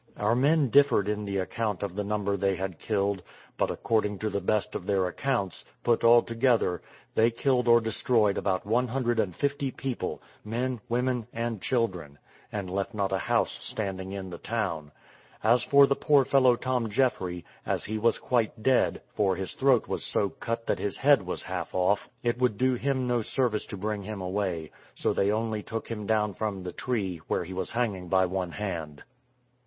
Our men differed in the account of the number they had killed; but according to the best of their accounts, put all together, they killed or destroyed about one hundred and fifty people, men, women, and children, and left not a house standing in the town. As for the poor fellow Tom Jeffry, as he was quite dead (for his throat was so cut that his head was half off), it would do him no service to bring him away; so they only took him down from the tree, where he was hanging by one hand.